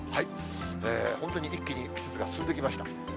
本当に一気に季節が進んできました。